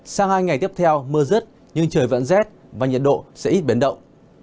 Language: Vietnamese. sang hai ngày tiếp theo mưa rứt nhưng trời vẫn rét và nhiệt độ sẽ ít biến động